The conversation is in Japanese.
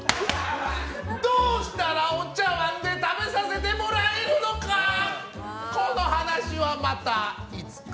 どうしたらお茶わんで食べさせてもらえるのかこの話はまた、いつか。